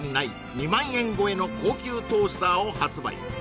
２万円超えの高級トースターを発売